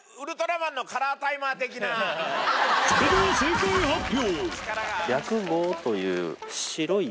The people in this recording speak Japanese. それでは正解発表